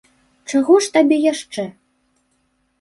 Чаго ж табе яшчэ?